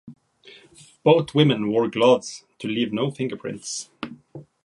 Both women wore gloves to leave no fingerprints.